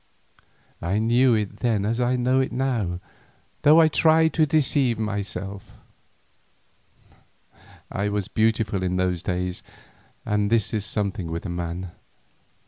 I knew it then, as I know it now, though I tried to deceive myself. I was beautiful in those days and this is something with a man.